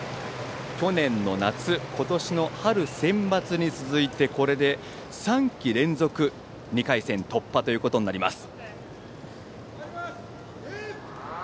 去年の夏今年の春センバツに続いてこれで３季連続の２回戦突破となります。